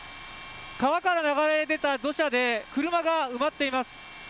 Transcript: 川から流れ出た土砂で車が埋まっています。